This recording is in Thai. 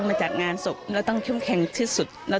เนื่องจากนี้ไปก็คงจะต้องเข้มแข็งเป็นเสาหลักให้กับทุกคนในครอบครัว